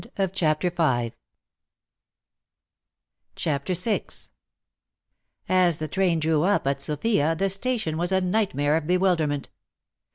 CHAPTER VI As the train drew up at Sofia the station was a nightmare of bewilderment.